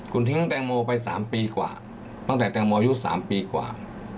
คุณทิ้งแตงโมไป๓ปีกว่าตั้งแต่แตงโมอายุ๓ปีกว่า